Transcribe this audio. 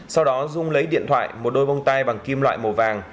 sau đó dung lấy điện thoại một đôi bông tai bằng kim loại màu vàng